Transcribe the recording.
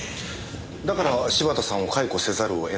だから柴田さんを解雇せざるをえなかった。